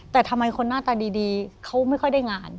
แต่ทำไมคนหน้าตาดีเขาไม่ค่อยได้งาน